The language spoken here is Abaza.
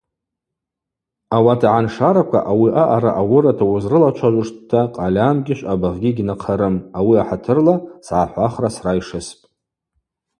Ауат агӏаншараква ауи аъара ауырата уызрылачважвуштӏта къальамгьи швъабыгъьгьи гьнахъарым, ауи ахӏатырла сгӏахӏвахра срайшыспӏ.